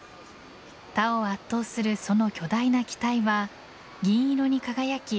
他を圧倒するその巨大な機体は銀色に輝き